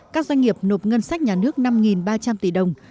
các doanh nghiệp nộp ngân sách nhà nước năm ba trăm linh tỷ đồng